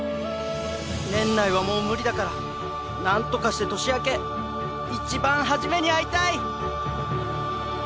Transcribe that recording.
年内はもう無理だからなんとかして年明けいちばん初めに会いたい！